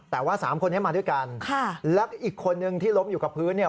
แต่ว่าสามคนนี้มาด้วยกันค่ะแล้วอีกคนนึงที่ล้มอยู่กับพื้นเนี่ย